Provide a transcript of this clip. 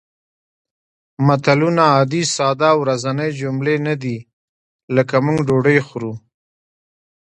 متلونه عادي ساده او ورځنۍ جملې نه دي لکه موږ ډوډۍ خورو